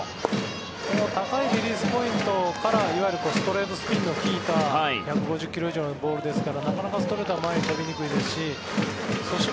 高いリリースポイントからいわゆるストレートスピンの利いた１５０ｋｍ以上のボールですからストレートは前に飛びづらいですしそして